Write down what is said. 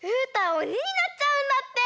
おにになっちゃうんだって！